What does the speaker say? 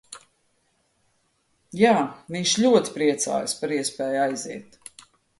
Jā, viņš ļoti priecājas par iespēju aiziet!